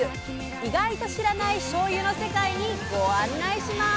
意外と知らないしょうゆの世界にご案内します！